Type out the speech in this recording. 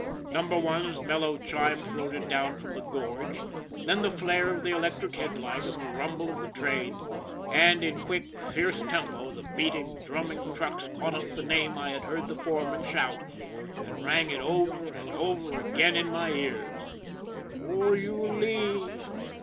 Number One's mellow chime floated down from the gorge, then the flare of the electric headlight, and the rumble of the train. And in quick, fierce tempo, the beating, drumming trucks caught up the name I had heard the foreman shout, and rang it over and over again in my ears : "Oh you Lee!